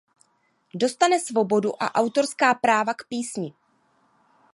Dostane svobodu a autorská práva k písni.